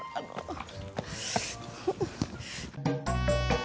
tidak ada yang bisa dihukum